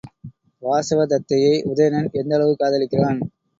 வாசவ தத்தையை உதயணன் எந்த அளவு காதலிக்கிறான்?